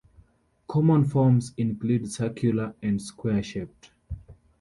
Common forms include circular and square shaped.